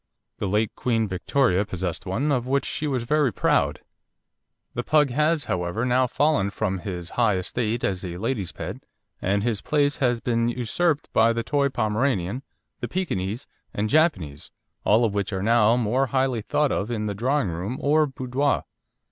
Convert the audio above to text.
The late Queen Victoria possessed one, of which she was very proud. The Pug has, however, now fallen from his high estate as a ladies' pet, and his place has been usurped by the Toy Pomeranian, the Pekinese, and Japanese, all of which are now more highly thought of in the drawing room or boudoir.